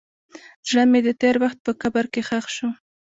زړه مې د تېر وخت په قبر کې ښخ شو.